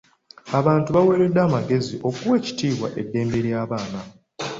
Abantu baaweereddwa amagezi okuwa ekitiibwa eddembe ly'abaana.